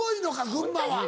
群馬は。